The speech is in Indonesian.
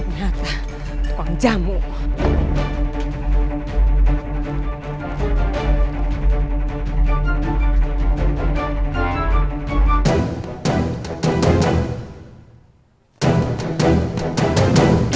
mau jual sama seseorang